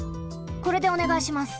これでおねがいします。